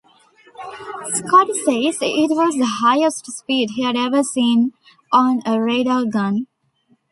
Scott says it was the highest speed he'd ever seen on a radar gun.